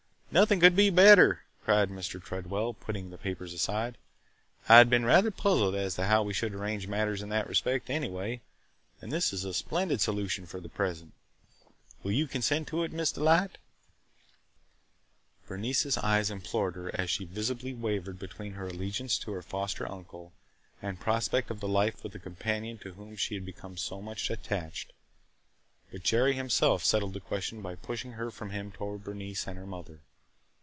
"Nothing could be better!" cried Mr. Tredwell, putting the papers aside. "I had been rather puzzled as to how we should arrange matters in that respect, anyway, and this is a splendid solution for the present. Will you consent to it, Miss Delight?" Bernice's eyes implored her and she visibly wavered between her allegiance to her foster uncle and prospect of the life with the companion to whom she had become so much attached. But Jerry himself settled the question by pushing her from him toward Bernice and her mother.